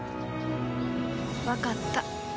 分かった。